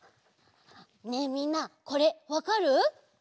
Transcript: ねえみんなこれわかる？